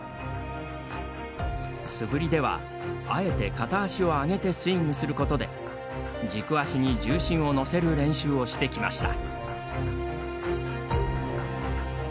素振りではあえて片足を上げてスイングすることで軸足に重心を乗せる練習をしてきました。